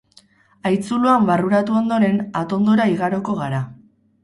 Haitzuloan barruratu ondoren, atondora igaroko gara.